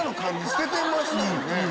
「捨ててます」だよね？